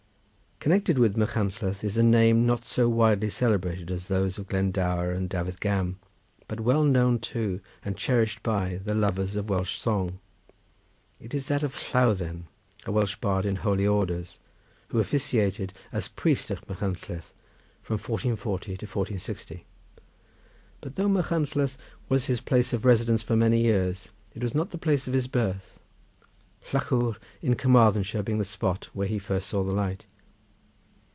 Connected with Machynlleth is a name not so widely celebrated as those of Glendower and Dafydd Gam, but well known to and cherished by the lovers of Welsh song. It is that of Lawdden, a Welsh bard in holy orders, who officiated as priest at Machynlleth from 1440 to 1460. But though Machynlleth was his place of residence for many years, it was not the place of his birth, Llychwr in Carmarthenshire being the spot where he first saw the light.